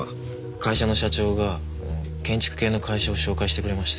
会社の社長が建築系の会社を紹介してくれました。